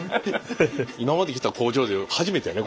今まで来た工場で初めてやね。